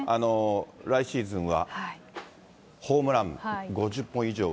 来シーズンはホームラン５０本以上は。